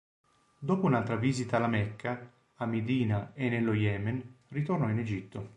Dopo un'altra visita alla Mecca, a Medina e nello Yemen, ritornò in Egitto.